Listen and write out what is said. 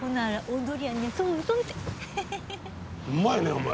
うまいねお前。